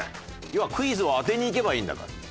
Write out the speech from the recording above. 要はクイズを当てにいけばいいんだから。